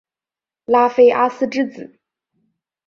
拉菲阿斯之子。